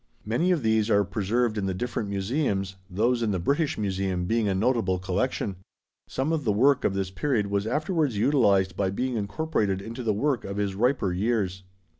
Many of these are preserved in the different museums, those in the British Museum being a notable collection. Some of the work of this period was afterwards utilized by being incorporated into the work of his riper years.